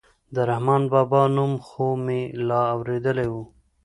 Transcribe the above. د رحمان بابا نوم خو مې لا اورېدلى و.